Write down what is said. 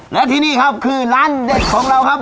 และที่นี่ครับคือร้านเด็ดของเราครับ